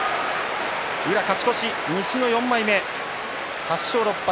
宇良、勝ち越し、西の４枚目、８勝６敗。